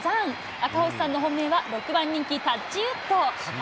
赤星さんの本命は、６番人気、タッチウッド。